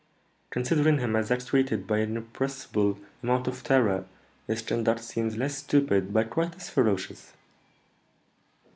"Considering him as actuated by an irrepressible amount of terror, this conduct seems less stupid, but quite as ferocious."